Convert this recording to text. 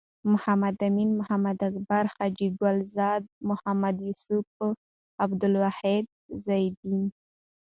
محمد امین.محمد اکبر.حاجی ګل زاده. محمد یوسف.عبدالواحد.ضیاالدین